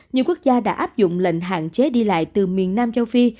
nhiều quốc gia đã áp dụng lệnh hạn chế đi lại từ miền nam châu phi